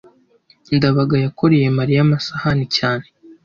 ndabaga yakoreye mariya amasahani cyane